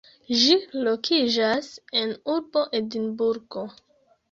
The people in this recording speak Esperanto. Ĝi lokiĝas en urbo Edinburgo.